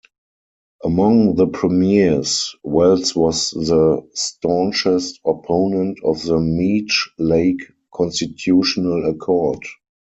Among the premiers, Wells was the staunchest opponent of the Meech Lake Constitutional Accord.